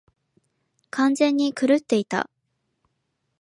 完全に狂っていた。